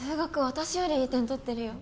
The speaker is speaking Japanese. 私よりいい点とってるよ